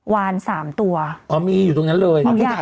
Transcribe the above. วานสามตัวอ๋อมีอยู่ตรงนั้นเลย